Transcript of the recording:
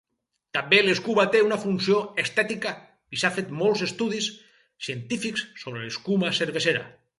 També l'escuma té una funció estètica i s'ha fet molts estudis científics sobre l'escuma cervesera.